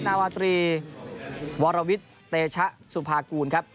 นาวาตรีวรวิทย์เตชะสุภากูลครับ